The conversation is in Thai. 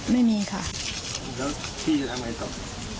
ไม่รู้นะครับ